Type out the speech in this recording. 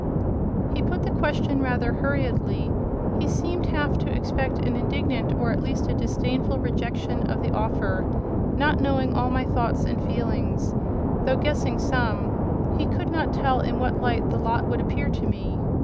He put the question rather hurriedly; he seemed half to expect an indignant, or at least a disdainful rejection of the offer: not knowing all my thoughts and feelings, though guessing some, he could not tell in what light the lot would appear to me.